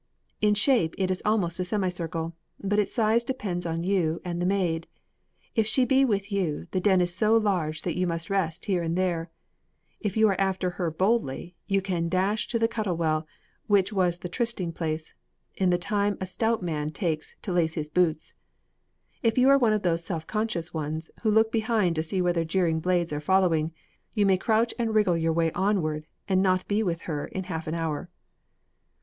In shape it is almost a semicircle, but its size depends on you and the maid. If she be with you, the Den is so large that you must rest here and there; if you are after her boldly, you can dash to the Cuttle Well, which was the trysting place, in the time a stout man takes to lace his boots; if you are of those self conscious ones who look behind to see whether jeering blades are following, you may crouch and wriggle your way onward and not be with her in half an hour.